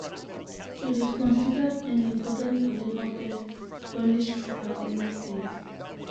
It is considered an important building of the Cornish period in the state.